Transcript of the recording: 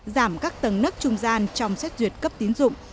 giảm các tầng nức trung gian trong xét duyệt cấp tín dụng